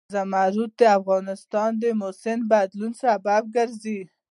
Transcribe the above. زمرد د افغانستان د موسم د بدلون سبب کېږي.